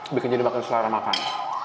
lebih kecil dibakar selera makan